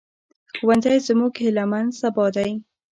ښوونځی زموږ هيلهمن سبا دی